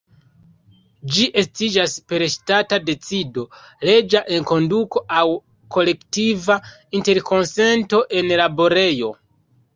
Ĝi estiĝas per ŝtata decido, leĝa enkonduko aŭ kolektiva interkonsento en laborejo.